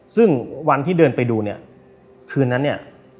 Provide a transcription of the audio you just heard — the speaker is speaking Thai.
ซึ่งวันที่เดินไปดูเนี่ยคืนนั้นเนี่ย